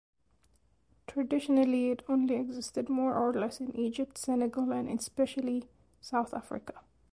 Traditionally it only existed more or less in Egypt, Senegal and especially South Africa.